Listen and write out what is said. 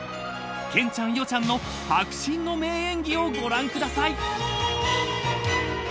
［けんちゃん伊代ちゃんの迫真の名演技をご覧ください］